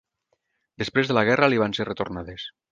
Després de la guerra li van ser retornades.